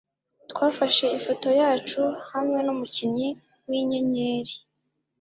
Twafashe ifoto yacu hamwe numukinnyi winyenyeri.